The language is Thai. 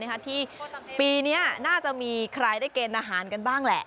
ที่ปีนี้น่าจะมีใครได้เกณฑ์อาหารกันบ้างแหละ